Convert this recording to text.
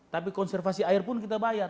tapi konservasi air pun kita bayar